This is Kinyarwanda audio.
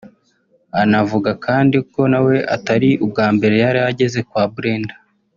Anavuga kandi ko nawe atari ubwa mbere yari ageze kwa Brenda